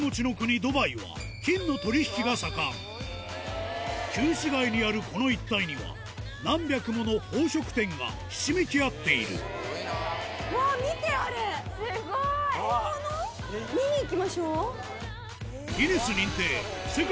ドバイは旧市街にあるこの一帯には何百もの宝飾店がひしめき合っている今日さっき。